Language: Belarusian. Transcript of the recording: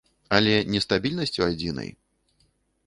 Але не стабільнасцю адзінай.